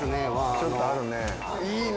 ちょっとあるね。いいね。